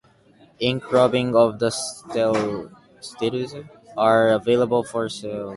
Ink rubbings of the steles are available for sale.